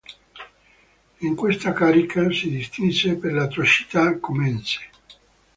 In questa carica si distinse per le atrocità commesse.